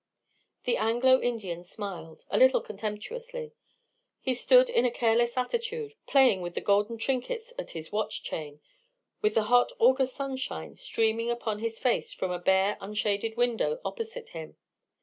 The Anglo Indian smiled, a little contemptuously. He stood in a careless attitude, playing with the golden trinkets at his watch chain, with the hot August sunshine streaming upon his face from a bare unshaded window opposite him.